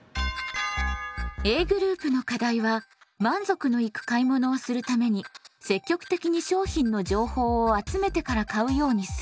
Ａグループの課題は「満足のいく買い物をするために積極的に商品の情報を集めてから買うようにする」です。